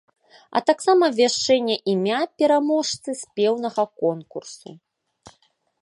А таксама абвяшчэнне імя пераможцы спеўнага конкурсу.